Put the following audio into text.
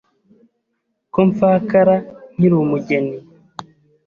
ko mpfakara nkiri umugeni.